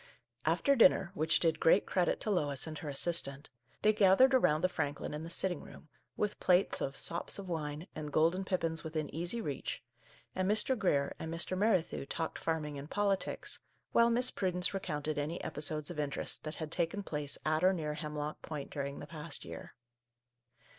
108 Our Little Canadian Cousin After dinner, — which did great credit to Lois and her assistant, — they gathered around the Franklin in the sitting room, with plates of " sops of wine " and golden pippins within easy reach, and Mr. Grier and Mr. Merrithew talked farming and politics, while Miss Pru dence recounted any episodes of interest that had taken place at or near Hemlock Point during the past year.